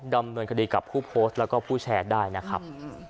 ดำเนินคดีกับผู้โพสต์แล้วก็ผู้แชร์ได้นะครับ